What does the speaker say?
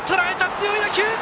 強い打球！